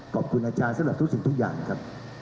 ขอบคุณอาจารย์สำหรับทุกสิ่งทุกอย่างครับ